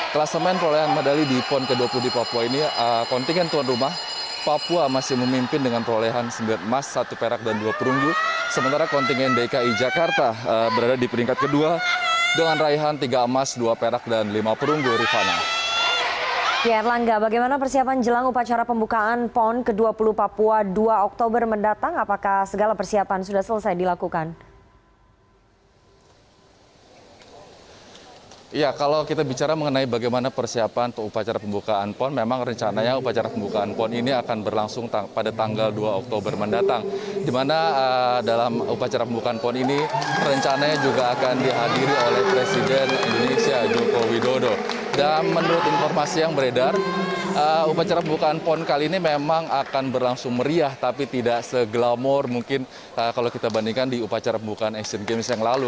tapi tidak segelamur mungkin kalau kita bandingkan di upacara pembukaan asian games yang lalu